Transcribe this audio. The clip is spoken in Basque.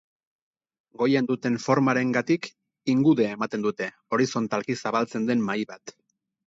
Goian duten formarengatik ingudea ematen dute, horizontalki zabaltzen den mahai bat.